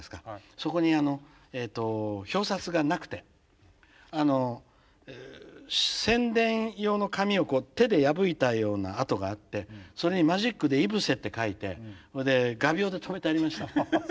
そこに表札がなくて宣伝用の紙を手で破いたような跡があってそれにマジックで井伏って書いてそれで画びょうで留めてありました。